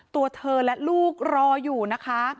ตัวเธอและลูกรออยู่นะคะ